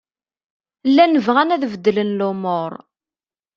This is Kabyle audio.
Llan bɣan ad beddlen lumuṛ.